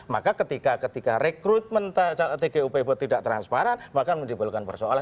maka ketika rekrutmen tgupp tidak transparan maka menimbulkan persoalan